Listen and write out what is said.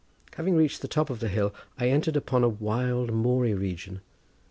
Having reached the top of the hill I entered upon a wild moory region.